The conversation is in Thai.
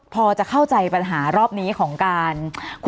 พอจะเข้าใจปัญหารอบนี้ของการ